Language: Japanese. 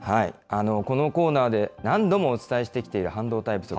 このコーナーで何度もお伝えしてきている半導体不足。